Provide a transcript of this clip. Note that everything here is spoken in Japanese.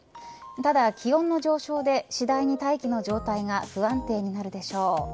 ただ気温の上昇で次第に大気の状態が不安定になるでしょう。